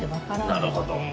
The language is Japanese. なるほど。